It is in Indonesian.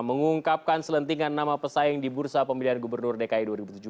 mengungkapkan selentingan nama pesaing di bursa pemilihan gubernur dki dua ribu tujuh belas